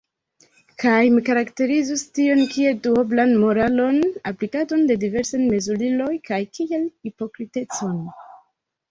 Kaj mi karakterizus tion kiel duoblan moralon, aplikadon de diversaj mezuriloj kaj kiel hipokritecon.